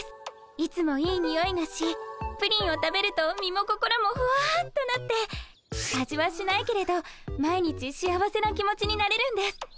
いつもいいにおいがしプリンを食べると身も心もほわっとなって味はしないけれど毎日幸せな気持ちになれるんです。